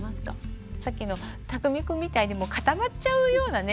さっきのたくみくんみたいに固まっちゃうようなね